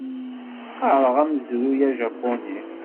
Qqareɣ amezruy ajapuni.